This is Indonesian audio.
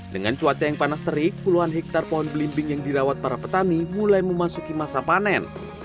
dengan cuaca yang panas terik puluhan hektare pohon belimbing yang dirawat para petani mulai memasuki masa panen